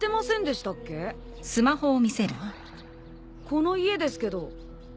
この家ですけど。